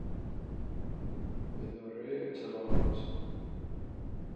اداره اطلاعات